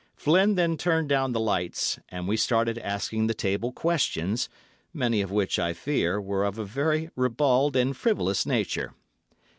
Flynn then turned down the lights, and we started asking the table questions, many of which, I fear, were of a very ribald and frivolous nature.